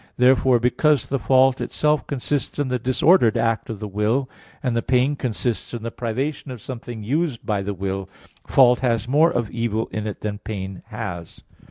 Therefore, because the fault itself consists in the disordered act of the will, and the pain consists in the privation of something used by the will, fault has more of evil in it than pain has.